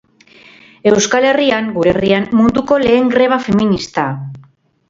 Euskal herrian, gure herrian, munduko lehen greba feminista!